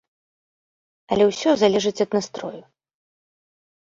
Але ўсё залежыць ад настрою.